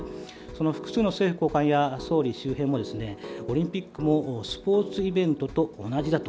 複数の政府高官や総理周辺もオリンピックもスポーツイベントと同じだと。